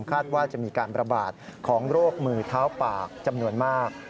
คาดว่าจะมีการประบาดของโรคมือเท้าปากจำนวนมาก